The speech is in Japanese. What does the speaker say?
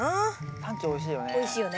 サンチュおいしいよね。